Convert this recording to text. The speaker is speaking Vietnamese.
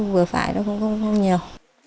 vừa phải thôi không làm nhiều